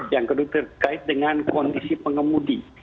yang kedua terkait dengan kondisi pengemudi